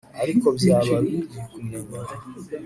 Ariko byaba bibi kumenya